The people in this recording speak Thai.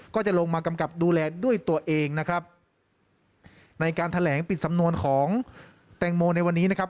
ก็จะลงมากำกับดูแลด้วยตัวเองนะครับในการแถลงปิดสำนวนของแตงโมในวันนี้นะครับ